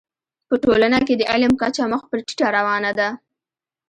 په ټولنه کي د علم کچه مخ پر ټيټه روانه ده.